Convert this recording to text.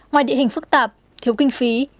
ngoài địa hình phức tạp thiếu kinh phí